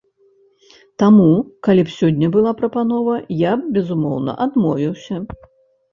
Таму калі б сёння была прапанова, я б, безумоўна, адмовіўся.